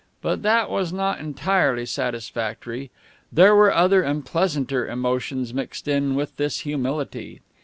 But that was not entirely satisfactory. There were other and pleasanter emotions mixed in with this humility.